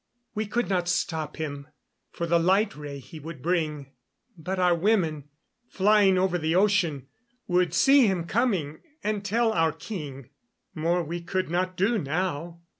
We could not stop him, for the light ray he would bring. But our women, flying over the ocean, would see him coming, and tell our king. More we could not do now."